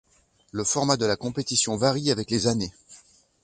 Le format de la compétition varie avec les années.